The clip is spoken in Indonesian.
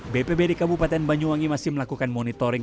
bpb di kabupaten banyuwangi masih melakukan monitoring